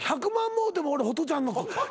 もろうても俺ホトちゃんの。